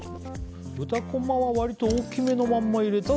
豚こまは割と大きめのまま入れる？